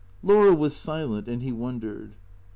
" Laura was silent, and he wondered.